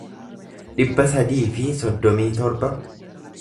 dhibba sadii fi soddomii torba